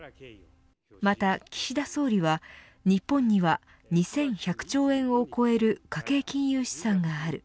また、岸田総理は日本には、２１００兆円を超える家計金融資産がある。